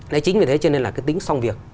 đấy chính vì thế cho nên là cái tính song việc